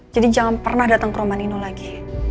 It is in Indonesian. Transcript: jadi jangan pernah datang ke rumah nino lagi